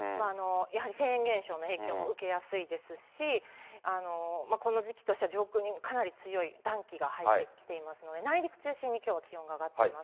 やはりフェーン現象の影響も受けやすいですし、この時期としては上空にかなり強い暖気が入ってきていますので、内陸中心にきょうは気温が上がっています。